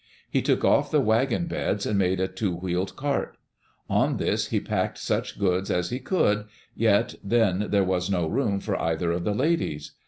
He took off the wagon beds and made a two wheeled cart. On this he packed such goods as he could, yet then there was no room for either of the ladies.